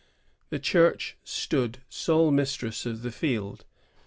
The Church stood sole mistress of the field.